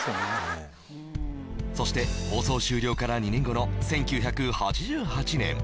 そして放送終了から２年後の１９８８年